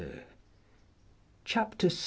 Chapter 2.